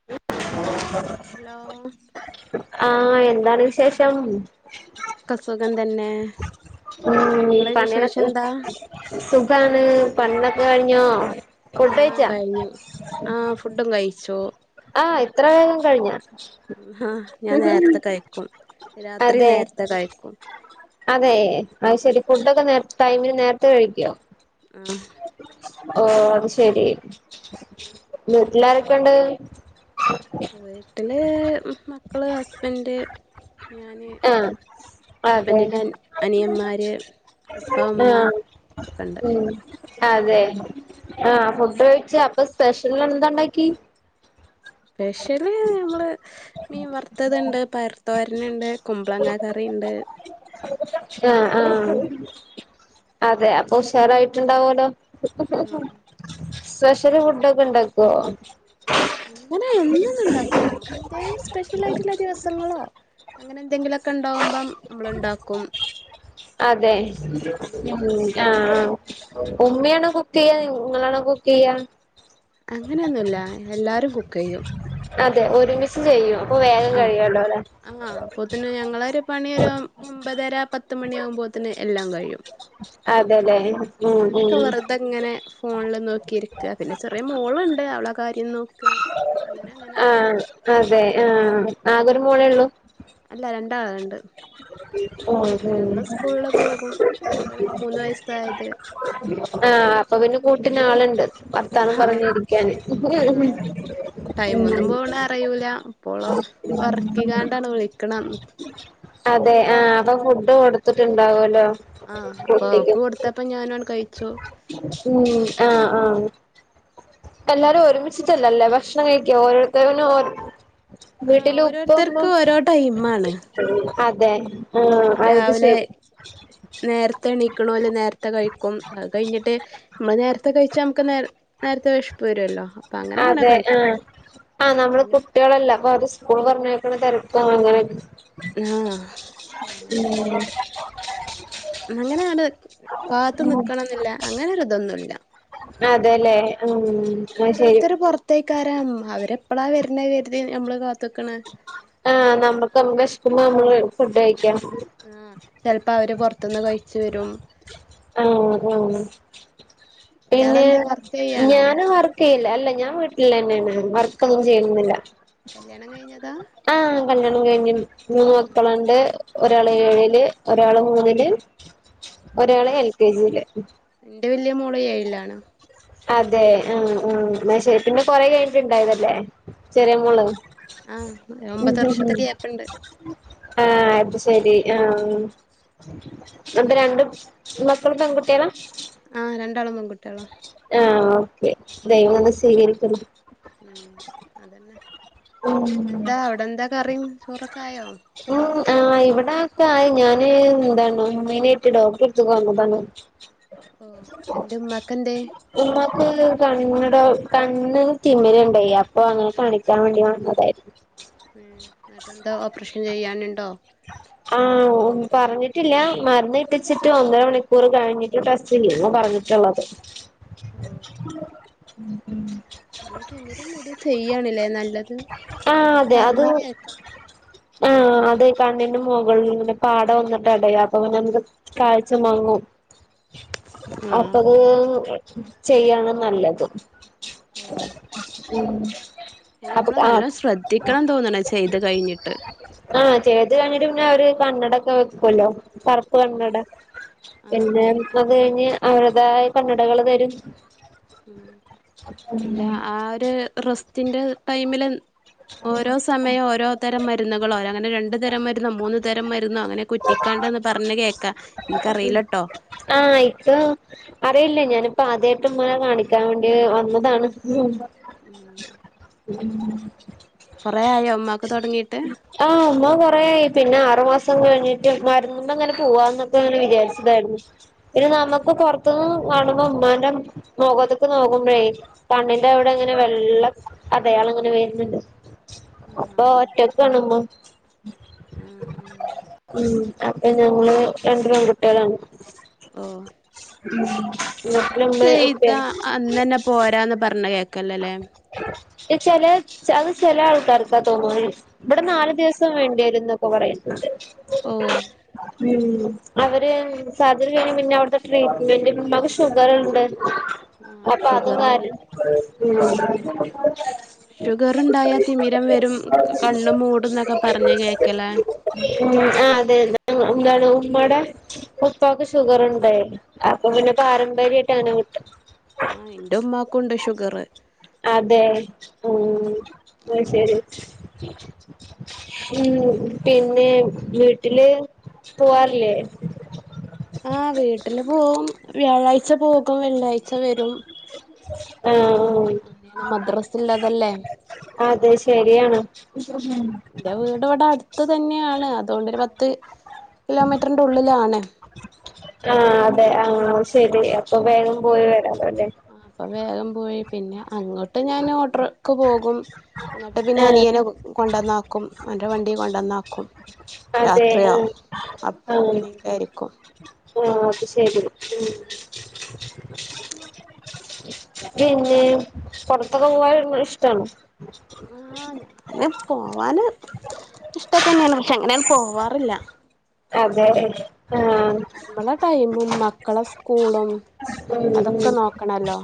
[unintelligible] Hello ആഹ് എന്താണ് വിശേഷം സുഖം തന്നെ ഉം നിങ്ങളെ വിശേഷം പണിലൊക്കെ എന്താ സുഖാണ് പണിലൊക്കെ കഴിഞ്ഞോ ഫുഡ് ആഹ് കഴിച്ചോ കഴിഞ്ഞു ആഹ് ഫുഡും കഴിച്ചു ആഹ് ഇത്ര വേഗം കഴിഞ്ഞ ഹാ ഞാൻ നേരത്തെ കഴിക്കും രാത്രി അതെ നേരത്തെ കഴിക്കും അതെ അത് ശരി ഫുഡൊക്കെ നേ ടൈമന് നേരത്തെ കഴിക്കുവോ ആഹ് ഓ അത് ശെരി വീട്ടിലാരൊക്കെുണ്ട് [inaudible] വീട്ടില് മക്കള് ഹസ്ബന്ഡ് ഞാൻ ആഹ് അതെ ഉപ്പ ഉമ്മ ആഹ് ഒക്കെണ്ട് ഉം അതെ ആഹ് ഫുഡ് കഴിച്ച അപ്പൊ സ്പെഷ്യൽ എന്താണ്ടാക്കി സ്പെഷ്യല് നമ്മള് മീൻ വറുത്തത്ണ്ട് പയർ തോരൻണ്ട് കുമ്പളങ്ങാ കറി ഇണ്ട് ആഹ് ആഹ് അതെ അപ്പോ ഉഷാറായിട്ടുണ്ടാവോലോ ആഹ് സ്പെഷ്യൽ ഫുഡ്‌ ഒക്കെ ഉണ്ടാക്കുവോ അങ്ങനെ എന്നും ഒന്നും ഉണ്ടാക്കില്ല എന്തും സ്പെഷ്യൽ ആയിട്ടുള്ള ദിവസങ്ങളോ അങ്ങനെ എന്തെങ്കിലും [unintelligible] ഉണ്ടാക്കും അതെ ഉം ആഹ് ഉമ്മയണോ കുക്ക് ചെയ്യാ നിങ്ങളണോ കുക്ക് ചെയ്യാ അങ്ങനെയൊന്നുല്ല എല്ലാരും കുക്കയ്യും അതെ [unintelligible] ഒരുമിച്ച് ചെയ്യും അപ്പൊ വേഗം ആഹ് കഴിയല്ലോ ല്ലെ ഒൻമ്പതര പത്ത് മണിയാകുമ്പോത്തന് എല്ലാം കഴിയും അതെലെ ഉം ഉം പിന്നൊക്കെ വെറുതെ ഇങ്ങനെ ഫോണിൽ നോക്കിയിരിക്ക പിന്നെ ചെറിയ മോളുണ്ട് അവള കാര്യം നോക്ക അങ്ങനെ അങ്ങനെ ആഹ് അതെ ആഹ് ആകെ ഒരു മോളേ ഉള്ളൂ അല്ല രണ്ട് ആളുണ്ട് ഉം ഉം സ്കൂളില് പോകും ഒരാള് പിന്നെ മൂന്ന് വയസ്സായത് ആഹ് അപ്പൊ പിന്നെ കൂട്ടന് ആളുണ്ട് വർത്താനം ആഹ് പറഞ്ഞിരിക്കാനും ആഹ് ടൈമൊന്നും ഉം പോണ അറിയൂല [inaudible] കണണം അതെ ആഹ് അപ്പൊ ഫുഡ് കൊടുത്തിട്ടുണ്ടാവല്ലോ ആഹ് അപ്പൊ കുട്ടിക്ക് ഓക്ക് കൊടുത്തപ്പ ഞാനോണ് കഴിച്ചോ ഉം ആഹ് ആഹ എല്ലാരും ഒരുമിച്ചിട്ടല്ലല്ലേ ഭക്ഷണം കഴിക്ക ഓരോരുത്തനും ആഹ് വീട്ടില് ഉപ്പൊമ്മ ഓരോരുത്തർക്ക് ഓരോ ടൈമാണ് അതെ ആഹ് അത് രാവിലെ ശരി നേരത്തെ എണീകണോല് നേരത്തെ കഴിക്കും കഴിഞ്ഞിട്ട് നമ്മള് നേരത്തെ കഴിച്ചാ നമുക്ക് നേ നേരത്തെ വിഷിപ്പ വരുമല്ലോ അതെ ആഹ് ആ നമ്മള് പിന്നെ കുട്ടികളല്ല അപ്പൊ അത് സ്കൂൾ പറഞ്ഞയ്ക്കണ തിരപ്പ അങ്ങന ആഹ് അങ്ങനെയൊക്ക ആമ്പോ അങ്ങനെയ അടെ കാത്ത നിക്കണം എന്നില്ല അങ്ങനെ ഒരു ഇതൊന്നുല്ല അതെല്ലേ ഉം ആയ് ശരി കത്തേക്കാരം അവരെപ്പളാ വരുന്ന കരുതി നമ്മള് കാത്തുക്കണ ആഹ് നമ്മുക്ക്മ്മ കഷിക്കുമ്പോ നമ്മള് ഫുഡ് കഴിക്കാം ആഹ് ചിലപ്പോ അവര് പുൊറത്തുന്ന് കഴിച്ച വരും ആഹ് പിന്നെ ഇയാളെന്താ വർക്ക് ചെയ്യാണോ ഞനവർക്ക് യില്ല അല്ല ഞാൻ വീട്ടിൽ തന്നെയ ഉം കല്യാണം കഴിഞ്ഞതാ ആഹ് കല്യാണം കഴിഞ്ഞഞ് മൂന്ന് മക്കളുണ്ട് ഒരാള് ഏഴില് ഒരാള് മൂന്നില് ഉം എൽ കെ ജിയില് എന്റെ വലിയ മോള് ഏഴിലാണ് അതെ അയ് ശരിക്ഷെ പിന്നെ കൊറെ കഴിഞ്ഞിട്ട്ണ്ടായതല്ലേ ചെറിയ മോള് ആഹ് ആഹ് ഒമ്പത് വർഷത്തെ ഗ്യാപ്പ്ണ്ട് ആഹ് അത് ശരി ആഹ് നപ്പ രണ്ട് മക്കളും പെൺകുട്ടിയള ആഹ് രണ്ടാളും പെൺകുട്ടിയള ആഹ് ഓക്കെ ദയവംന്ന് സ്വീകരിക്കുന്നത് ഉം അതന്നെെന്താ അവിടെ എന്താക്കെറിയും ചോറൊക്കെ ആയോ ഉം ആഹ് ഇവിടെൊക്കെ ആയി ഞാന് എന്താണ് മീനായിട്ട് ഡോക്കട്ടടുത്ത വന്നതാണ് ഓഹ് എന്ത ഉമാക്ക എന്തേ ഉമ്മാക്ക് കണ്ണട കണ് തിമിരണ്ടായി അപ്പൊ അങ്ങനെ കണിക്കാൻ വേണ്ടി വന്നതായിരുന്നു എന്നിട്ട എന്താ ഓപ്പറേഷൻ ചെയ്യാനുണ്ടോ ആ പറഞ്ഞിട്ടില്ല മരുന്ന് കിട്ടിച്ചിട്ട് ഒന്നര മണിക്കൂർ കഴിഞ്ഞിട്ട് ടെസ്റ്റ് ചെയ്യുന്നു പറഞ്ഞിട്ടുള്ളത്. [unintelligible] [inaudible] ഓഹ് ഉ ഉം [inaudible] നമ്മ തിമിരം കൂടിയ ചെയ്യണല്ലേ നല്ലത് ആഹ നമ്മളിങ്ങനെ അതെ അത് പറഞ്ഞ് കേക്കാം ആ അത കണ്ണിന്റെ മുകളിൽ പാടം വന്നിട്ട് ഇടയാ അപ്പൊ പിന്നെ നമുക്ക് കാഴ്ച മാങ്ങും ആഹ് അപ്പത് ചെയ്യാണ് നല്ലത് ഓ ഉ അപ്പ ആ ത്തിക്കണം തോന്നണ ചെയ്ത് കഴിഞ്ഞിട്ട് ആഹ് ചേത് കഴിഞ്ഞിട്ട് പിന്നെ അവര് കണ്ണടൊക്കെ വെക്കുമല്ലോ ഉം കണ്ണട ആഹ് പിന്നെ അത് കഴിഞ്ഞ് അവരുേതായ കണ്ണടകൾ തരും ഉ അല്ല ആ ഒരു റസ്റ്റന്റെ ടൈമില് ഓരോ സമയം ഓരോ തരം മരുന്നുകളോരോ അങ്ങനെ രണ്ടു തരം മരുന്നു മൂന്ന്തരം മരുന്നുന്ന് അങ്ങനെ കുറ്റിക്കാണ്ടന്ന് പറഞ്ഞഞ് കേൾക്കാ എനക്ക്റിയിലട്ടോ ആഹ യിക്ക അറിയില്ലേ ഞാനിപ്പോ ആദ്യമായിട്ടനെ കാണിക്കാൻ വേണ്ടി വന്നതാണ് ഉം ഉം കൊറെ ആയോ ഉമ്മാക്ക് തൊടങ്ങീട്ട് ആഹ് അമ്മോംകൊറയായി പിന്നെ ആറു മാസം കഴിഞ്ഞിട്ട് മരുന്ന് മ്മ ങ്ങനെ പോവാന്ന് ഞങ്ങനെ വിജാരിച്ചതായിരുന്നു എനി നമുക്ക് പൊറത്തുന്ന് കാണുമ്പോ ഉമ്മാന്റെ മുഖത്തക്ക് നോക്കുമ്പോഴേ കണ്ണിന്റെ അവിടെ ങ്ങനെ വെള്ളം അതെയാള്ങ്ങനെ വേര്ണണ്ട് അപ്പൊ ഒറ്റക്ക കാണ്പോ ആഹ് ആഹ് ഉ അപ്പ ഞങ്ങള് രണ്ടു പൺകുട്ടികളാണ് ഓ വീട്ടില് ഇ മ്മേ ഇപ്പയും ചെയ്താ ആണ് അന്നന്നെ പോരാന്ന് പറഞ്ഞേ കേൾക്കല്ലല്ലേ ചെല അത് ചെല ആൾക്കാർക്കാ തോന്നുന്നു ഇവിടെ നാല് ദിവസ ത്തം വേണ്ടി യേരുന്നൊക്കെ പറയ്ണ് ഓ ഉ അവര് സർജറി കഴിഞ്ഞ് പിന്നെ അവിടത്തെ ട്രീറ്റ്മെന്റ് മ്മാക്ക് ഷുഗറുണ്ട് ആഹ് അപ്പൊ അത് ഷുഗർണ്ട് കാര്യം ഷുഗർണ്ടായാ തിമിരം വരും കണ്ണ് മൂടും എന്നൊക്കെ പറഞ്ഞ കേക്കല ഉ ആഹ് അതെ എന്താണ് ഉമാടെ ഉപ്പാക്ക് ഷുഗറ്ണ്ടേ അപ്പൊ പിന്നെ പാരമ്പര്യയിട്ട് അങ്ങനെ കിട്ടും ആഹ് ഇന്റെ ഉമ്മാക്കുണ്ട് ഷുഗറ് അതെ ഉം ന്നശരി ഉ പിന്നെ വീട്ടില് പോവാറില്ലേ ആഹ് വീട്ടില് പോകും വ്യാഴാഴ്ച പോകും വെള്ളിയാഴ്ച വരും ആഹ് അങ്ങനെയാണ് മദ്രസള്ളതല്ലേ അതെ ശരിയാണ് എന്റെ വീട് ഇവിടെ അടുത്ത് തന്നെയാണ് അതൊണ്ടോരു പത്ത് കിലോമീറ്ററിന്റെ ഉള്ളിലാണ് ആഹ് അതെ ആഹ് ശരി അപ്പൊ വേഗം പോയി വരാലോല്ലേ അപ്പൊ വേഗം പോയി പിന്നെ അങ്ങോട്ട് ഞാൻ ഓടോർക്ക് പോകും ഇങ്ങട്ട് പിന്നെ അനിയന് ആ കൊണ്ടന്നാക്കും ഓന്റെ വണ്ടി കൊണ്ടന്നാക്കും അതെ രാത്രിയോ ആ അപ്പള അങ്ങനെക്കെ ആയിരിക്കും ഓ അത് ശെരി ഉ പിന്നെ പൊറത്തെക്കെ പോകാൻ ഒര്ങ്ങ്ണ ഇഷ്ടാണോ ആഹ് ഞാന് പോവാന് ഇഷ്ടൊക്കെ ന്നെയാണ് പക്ഷെ അങ്ങന്യാണ്ട് പോവാറില്ല അതെ ആഹ് അമ്മളെ ടൈമും മക്കളെ സ്കൂളും ഉം അതൊക്കെ ഉം നോക്കണല്ലോ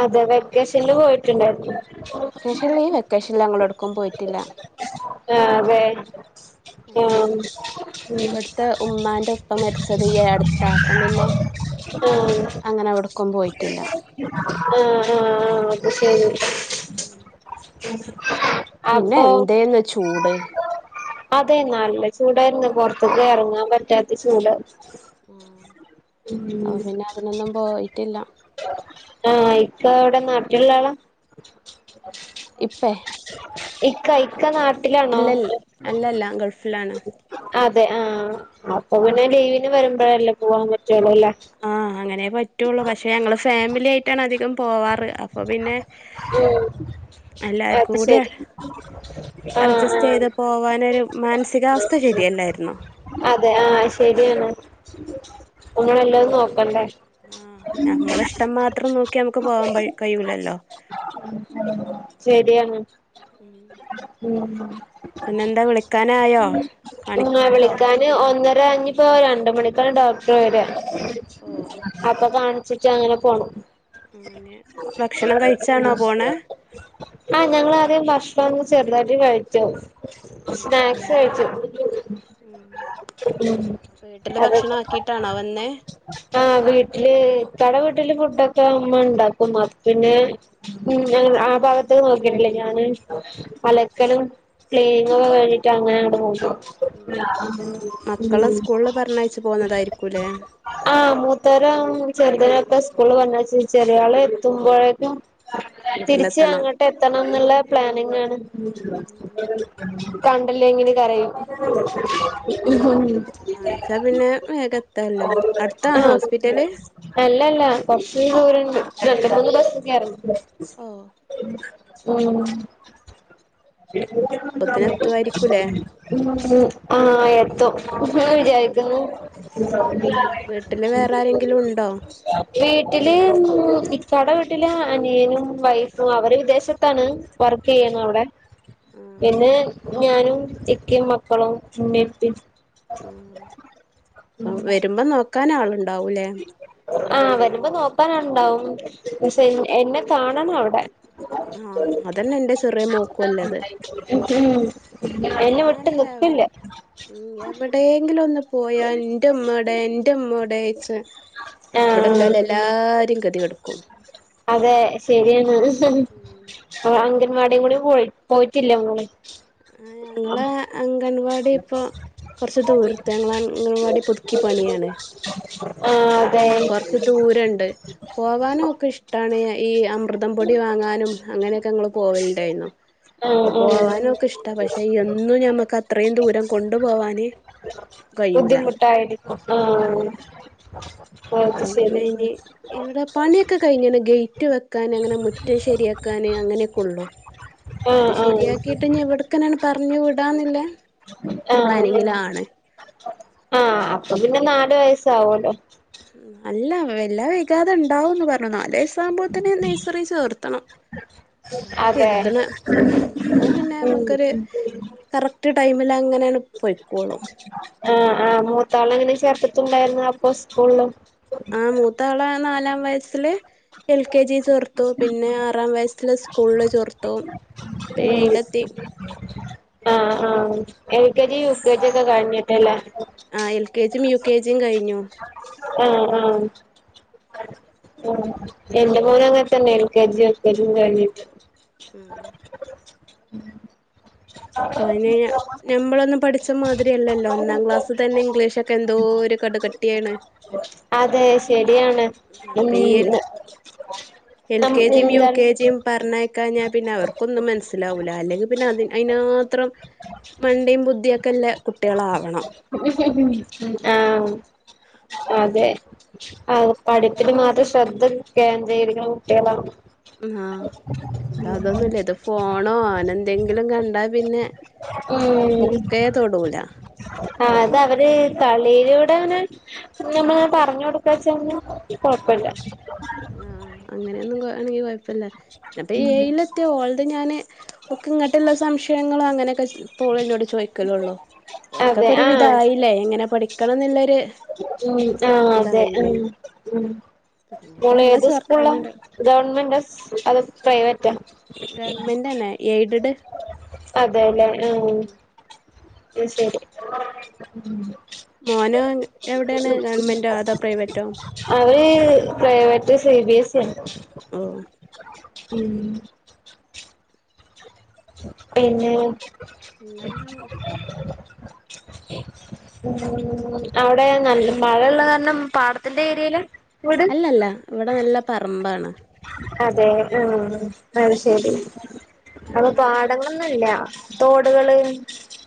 അതെ വെക്കേഷനില് പോയിട്ടുണ്ടായിരുന്നു വെക്കേഷൻ ഈ വെക്കേഷന് ഞങ്ങളട്ക്കും പോയിട്ടില്ല [unintelligible] പിന്നെ ഉം ഇവിടുത്തെ ഉമ്മാന്റെ ഉപ്പ മരിച്ചത് ഈ അടുത്താ അപ്പം പിന്നെ അങ്ങനെവ്ടെ ക്കം പോയിട്ടില്ല ആഹ്ആഹ് ആഹ് അത് ശരി [inaudible] ഇന്നെ എന്തേന്ന് ചൂട് അതെ നല്ലചൂടായിരുന്നു പൊറ് ത്ത്ക്കറങ്ങാൻ പറ്റാത്ത ചൂട് ആഹ് ഉം അപ്പൊ പിന്നെ അതിനൊന്നും പോയിട്ടില്ല ആഹ് ഇക്കവിടെ നാട്ടിലുള്ള ആളാ ഇപ്പേ ഇക്ക ഇക്ക നാട്ട് ഇല്ലൽ അല്ലല്ല ഗൾഫിലാണ് അതെ ആഹ് അപ്പൊ പിന്നെ ലീവിന് വരുമ്പഴ് അല്ലെ പോവാൻ പറ്റൊള്ളൂ അല്ലേ ആഹ് അങ്ങനെ പറ്റുള്ളൂ പക്ഷെ ഞങ്ങള് ഫാമിലി ആയിട്ടാണ് അധികം പോവാറ് അപ്പൊ പിന്നെ [inaudible] എല്ലാർക്കും അത് കൂടി ശരി ആഹ് അഡ്ജസ്റ്റ് ആഹ് ചെയ്ത് പോവാന് ഒരു മന സികാവസ്ഥ ശരിയല്ലായിര്ന്നൊ അതെ ആഹ് ശരിയാണ് നമ്മള് എല്ലതും നോക്കണ്ടേ ആ നമ്മള ഇഷ്ടം മാത്രം നോക്കി ഞമക്ക് പോവാബൈ കയൂല്ലല്ലോ ശരിയാണ് ഉം പിന്നെന്താ വിളിക്കാനായോ ഇങ്ങളെ കാണിച്ചോ വിളിക്കാൻ ഒന്നര ഇഞ്ഞിപ്പോ രണ്ട് മണിക്കാണ് ഡോക്ടർ വരാ ഓ അപ്പൊ കാണി ച്ചിട്ട് അങ്ങനെ പോണം ആ നെ ഭക്ഷണം കഴി ആഹ് ഞങ്ങള് ആദ്യം ഭക്ഷണം ഒന്ന് ചെറുതായിട്ട് കഴിച്ചു ഉം സ്നാക്സ് കഴിച്ചു ഉം ഉം വീട്ടില് അതെ ഭക്ഷണം ആക്കിട്ടാണോ വന്നേ ആഹ് വീട്ടില് ഇക്കാടെ വീട്ടില് ഫുഡൊക്കെ ഉമ്മ ഇണ്ടാക്കും അപ്പൊ പിന്നെ ഉം ആ ഭാഗത്തേക്ക് നോക്കിയിട്ടില്ലേ ഞാന് അലക്കലും ക്ലിനുകൾ കഴിഞ്ഞിട്ട് അങ്ങന അങ്ങോട്ട്‌ പോയി നോക്കു മക്കളെ ഉം സ്കൂളില് പറഞ്ഞയച്ചു പോന്നതായിരിക്കൂല്ലേ ആഹ് മൂത്തരം ചെറുതിനൊക്കെ സ്കൂള് പറഞ്ഞയച്ചേച് ചെറിയാള് എത്തുമ്പോഴേക്കും തിരിച്ച് വീട്ടിലെത്തണം അങ്ങോട്ട് എത്തണം എന്നുള്ള പ്ലാനിങ് ആണ് കണ്ടില്ലെങ്കില് കരയും ആഹ് കാണിച്ചാ പിന്നെ വേഗം [inaudible] എത്തല്ലോ അടുത്താണോ ഉം ഹോസ്പിറ്റല് അല്ലല്ല കൊറച്ച് ദൂരണ്ട് രണ്ട് മൂന്ന് ബസ് കേറണം ഓ ഉം ഉം അപ്പത്തിന് എത്തുവായിരിക്കൂലേ ആഹ് എത്തും ഇങ്ങള് വിചാരിക്കുന്നു ഉം വീട്ടില് വേറെ ആരെങ്കിലും ഉണ്ടോ വീട്ടില് ഇക്കാടെ വീട്ടില് അനിയനും വൈഫും അവര് വിദേശത്താണ് വർക്ക് ആഹ് ചെയ്യുന്നു അവിടെ ആഹ് പിന്നെ ഞാനും ഇക്കിം മക്കളും ഇമ്മി ഇപ്പിം ഉം അ വരുമ്പോ നോക്കാൻ ആളുണ്ടാവൂലേ ആഹ് വരുമ്പോ നോക്കാന് ആളുണ്ടാവും പക്ഷെ എന്നെ കാണണം അവിടെ ആഹ് അതന്നെ എന്റെ ചെറേ മോക്കും ഇല്ലത് മം ഞാന് എവിടെയെങ്കിലും ഒന്ന് പോയാ ഇന്റെമ്മ വ്ടെ ഇൻ ന്റെ ഇമ്മവ്ടെയ്ച്ച് ഇവിടെ ആഹ് ഉള്ളോലെ എല്ലാരിം ഗതി കെടുക്കും അതെ ശരിയാണ് അംഗൻവാടിലും കൂടെ പോയി പോയിട്ടില്ല ഓള് ആഹ് ഞങ്ങളെ അംഗൻവാടി ഇപ്പൊ കുറച്ച് ദൂരത്ത് ഞങ്ങളെ അംഗൻ വാടി പുതുക്കി പണിയാണ് ആഹ് അതെ അപ്പൊ കൊറച്ച് ദൂരണ്ട് പോവാന് ഓൾക് ഇഷ്ടാണ് ഈ അ അമൃതം പൊടി വാങ്ങാനും അങ്ങനെയൊക്കെ ഞങ്ങള് പോവലുണ്ടായിരുന്നു ആഹ് അപ്പൊ ആഹ് പോവാനും ഒക്കെ ഇഷ് പക്ഷെ എന്നും ഞമ്മക്ക് അത്രയും ദൂരം കൊണ്ടു പോവാന് കയ്യൂല ബുദ്ധിമുട്ടായിരിക്കും ഉം അപ്പം പിന്നെ ഇനി ഇവിടെ പണിയൊക്കെ കഴിഞ്ഞ്ണ് ഗേറ്റ് വെക്കാന് അങ്ങനെ മുറ്റം ശരിയാക്കാന് അങ്ങനെയൊക്കെ ഒള്ളു അത് ആഹ് ആഹ് ശരിയാക്കിട്ട് ഇഞ്ഞി ഇവട്ക്കെന്നെ പറഞ്ഞു വിടാന്നിള്ള ഒരു ആഹ് പ്ലാനിങ്ങില് ആണ് ആഹ് അപ്പൊ പിന്നെ നാല് വയസ്സ് ആവല്ലോ നല്ലം വെല്ലവൈകാതെ ഉണ്ടാവുന്ന് പറഞ്ഞു ന്ന നാലയ്സാവുമ്പോത്തിന് നഴ്സറി ചേർത്തണം അതാണ് അതെ കേര്ത്ണ ന്നാൽ പിന്നെ ഉം അമ്മക്കൊരു കറക്റ്റ് ടൈമിലങ്ങനണ്ട് പൊയ്ക്കോളും ആഹ് ആഹ് മൂത്താളേ പിന്നെ ചേർത്തിട്ട്ണ്ടായിരുന്നു അപ്പൊ സ്കൂൾളും ആഹ് മൂത്താളേ നാലാം വയസ്സില് എൽ കെ ജി ചേർത്തു പിന്നെ ആറാം വയസ്സില് സ് സ്കൂളിൽ ചേർത്തു ഇപ്പ ഉം ഏഴിലെത്തി ആഹ് ആഹ് ആഹ് L K G U K G ഒക്കെ കഴിഞ്ഞിട്ടല്ലേ ആഹ് എൽ കെ ജിം യു കെ ജിയും കഴിഞ്ഞു ആഹ് ആഹ് ഓഹ് എന്റെ മോനുഅങ്ങൻത്തന്നേനി U K G L K G കഴിഞ്ഞിട്ട് ഉം അയിന് ഞ ഞമ്ബളൊന്നും പഠിച്ച മാതിരിയല്ലോല്ലോ ഒന്നാം ക്ലാസ് തന്നെ ഇംഗ്ലീഷോക്കെ എന്ത് ന്തോര് കട് കട്ടിയാണ് അതെ ശരിയാണ് ആഹ് ഉം പെയ്യൽ എൽ ന കെ ജിയും യു എന്താണ് കെ ജിയും പറഞ്ഞേയക്കാഞ്ഞാപിന്നെ അവർക്കൊന്നും മനസ്സ് ലാവൂല അല്ലെങ്കിൽ പിന്നെ അതിൻ അയിനാത്രം മണ്ടിം ബുദ്ധിയൊക്കെല്ല കുട്ട്യാളാവണം ആഹ് അതെ ആഹ് പഠിപ്പല് മാത്രം ശ്രദ്ധ കേന്ദ്രീരിക്കണ കുട്ട്യാളാവണം ആഹ് ഇത അതൊന്നുയില്ല ഇത് ഫോണോ അനന്തെങ്കിലും കണ്ടാ പിന്നെ അന്നഅവു ബുക്കേ തൊടൂല ആഹ് അതഅവര് കളിലൂടെ അങ്ങനെ നമ്മള് പറഞ്ഞു കൊടുക്കച്ചാന്ന് കുഴപ്പയില്ല ആഹ് ആഹ് അങ്ങനെയൊന്നും കൊആണെങ്കികൊഴപ്പല്ല്യ ഞാൻപ്പേഏയിലത്യാ ഓൾത് ഞാന് ബുക്ക് ഇങ്ങട്ട്ള്ള സംശയങ്ങളഅങ്ങനെയൊക്കെ പ്പോള് ഇന്നോട് ചോയ്ക്കലൊള്ളും അതെ ഓൽക്കൊക്കെരു ആ വിധായില്ലേ എങ്ങനെ പഠിക്കണംന്ന്ള്ളൊര് ഇഞ്ഞീ ആഹ് അതെ ഉം ഇനിയിപ്പോ മോള് ഇവളെ ഏത് സ്കൂൾള ചേർക്കാന്ണ്ട് ഗവൺമെന്റസ് അത് പ്രൈവറ്റാ ഗവൺമെന്റന്നേ എയ്ഡ്ട് അതേല്ലേ ഹ് അഹ്ശെരി മോനോ എവ്ടേണ് ഗവൺമെന്റോ അതോ പ്രൈവറ്റോ അവര് പ്രൈവറ്റ് സി ബി എസിയാണ് ഓഹ് ഉം പിന്നെ പിന്നെന്താ അവ്ടെ നല്ല മഴള്ള കാരണം പാടത്തിന്റെ ഏര്യേലാ വീട് അല്ല ഇവടെ നല്ല പറമ്പാണ് അതെ ഉം അത് ശരി അപ്പൊ അങ്ങനെ പാ ടങ്ങളൊന്നുല്ല തോട്കള്